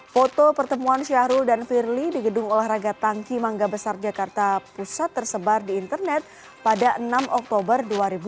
foto pertemuan syahrul dan firly di gedung olahraga tangki mangga besar jakarta pusat tersebar di internet pada enam oktober dua ribu dua puluh